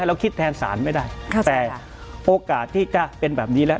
เราคิดแทนศาลไม่ได้แต่โอกาสที่จะเป็นแบบนี้แล้ว